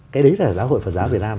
cái đấy là giáo hội phật giáo việt nam